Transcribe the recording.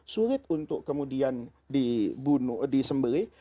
sulit untuk kemudian di sembelih